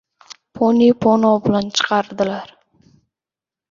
Ponani pona bilan chiqaradilar.